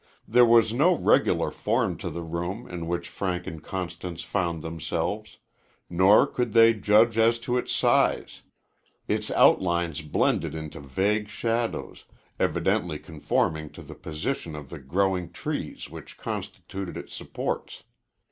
There was no regular form to the room in which Frank and Constance found themselves, nor could they judge as to its size. Its outlines blended into vague shadows, evidently conforming to the position of the growing trees which constituted its supports.